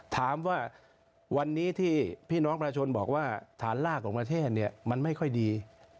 ถามว่าวันนี้ที่พี่น้องประชาชนบอกว่าฐานลากของประเทศเนี่ยมันไม่ค่อยดี